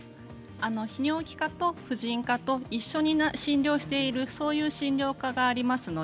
泌尿器科と婦人科と一緒に診療しているそういう診療科があります。